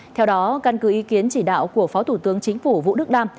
theo đó căn cứ ý kiến chỉ đạo của phó thủ tướng chính phủ vũ đức đam